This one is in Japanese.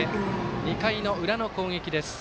２回の裏の攻撃です。